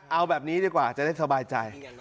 เอาแบบนี้ดีกว่าจะได้สบายใจ